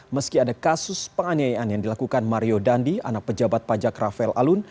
meski ada kasus penganiayaan yang dilakukan mario dandi anak pejabat pajak rafael alun